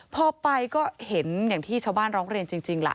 พอไปก็เห็นอย่างที่ชาวบ้านร้องเรียนจริงล่ะ